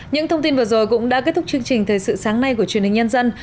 những thông tin vừa rồi cũng đã kết thúc chương trình thời sự sáng nay của truyền hình nhân dân